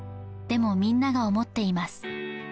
でもみんなが思っています